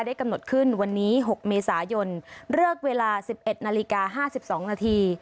ได้กำหนดขึ้นวันนี้หกเมษายนเลือกเวลาสิบเอ็ดนาฬิกาห้าสิบสองนาที